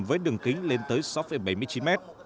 với đường kính lên tới sáu bảy mươi chín mét